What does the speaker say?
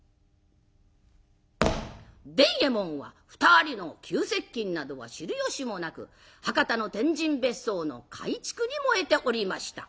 伝右衛門は２人の急接近などは知るよしもなく博多の天神別荘の改築に燃えておりました。